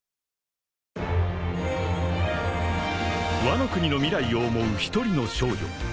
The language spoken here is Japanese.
［ワノ国の未来を思う一人の少女］